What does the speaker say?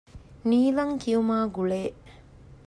ނީލަން ކިޔުމާގުޅޭ